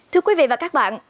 thưa quý vị và các bạn